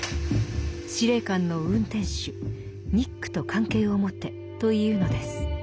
司令官の運転手ニックと関係を持てというのです。